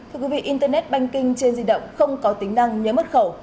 thưa quý vị internet banking trên di động không có tính năng nhớ mật khẩu